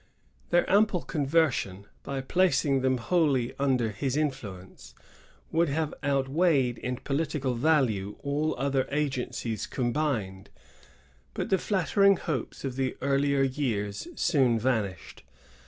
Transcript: Their simple conversion, by placing them wholly under his influence, would have outweighed in political value all other agencies combined; but the flattering hopes of the earlier years soon vanished.